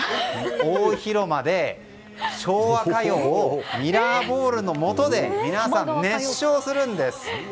大広間で、昭和歌謡をミラーボールのもとで皆さん熱唱するんです。